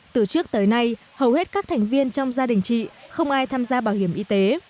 từ trước tới nay hầu hết các thành viên trong gia đình chị không ai tham gia bảo hiểm y tế